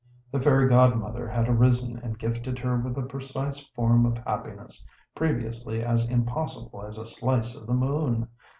The fairy godmother had arisen and gifted her with the precise form of happiness previously as impossible as a slice of the moon.